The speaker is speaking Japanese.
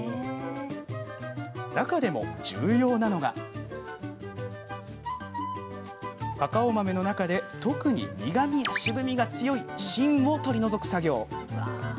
中でも重要なのがカカオ豆の中で特に苦みや渋みが強い芯を取り除く作業。